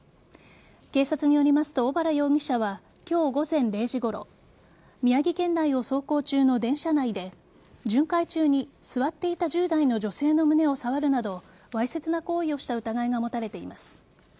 警察によりますと小原容疑者は今日午前０時ごろ宮城県内を走行中の電車内で巡回中に座っていた１０代の女性の胸を触るなどわいせつな行為をした疑いが持たれています。